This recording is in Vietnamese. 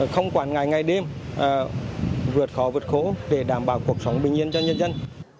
không quản ngày đêm vượt khó vượt khổ để đảm bảo cuộc sống bình yên cho nhân dân